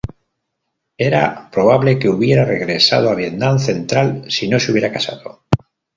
Era probable que hubiera regresado a Vietnam central si no se hubiera casado.